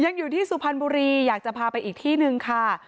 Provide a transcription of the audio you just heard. ยังอยู่ที่สุพรรณบุรีอยากจะพาไปอีกที่หนึ่งค่ะ